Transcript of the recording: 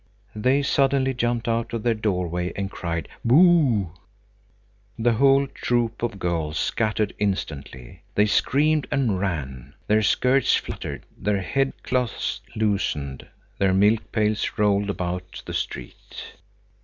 They suddenly jumped out of their doorway and cried "Boo!" The whole troop of girls scattered instantly. They screamed and ran. Their skirts fluttered; their head cloths loosened; their milk pails rolled about the street.